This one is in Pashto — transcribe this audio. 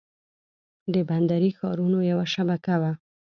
د بندري ښارونو یوه شبکه وه